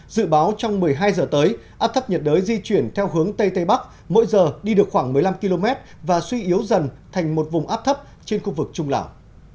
dự báo trong một mươi hai h tới áp thấp nhiệt đới di chuyển theo hướng tây tây bắc mỗi giờ đi được khoảng một mươi năm km và suy yếu dần thành một vùng áp thấp trên khu vực trung lào